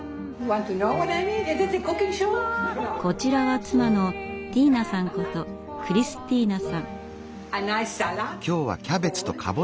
こちらは妻のティーナさんことクリスティーナさん。